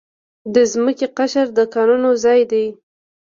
د ځمکې قشر د کانونو ځای دی.